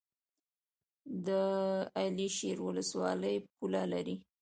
د علي شیر ولسوالۍ پوله لري